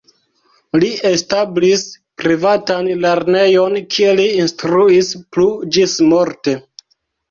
Li establis privatan lernejon, kie li instruis plu ĝismorte.